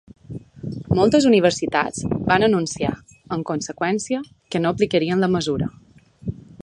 Moltes universitats van anunciar, en conseqüència, que no aplicarien la mesura.